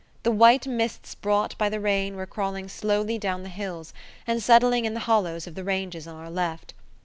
The white mists brought by the rain were crawling slowly down the hills, and settling in the hollows of the ranges on our left.